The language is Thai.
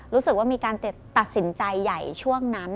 รู้สึกว่ามีการตัดสินใจใหญ่ช่วงนั้น